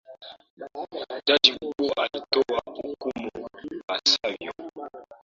Jaji mkuu alitoa hukumu ipasavyo.